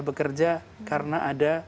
bekerja karena ada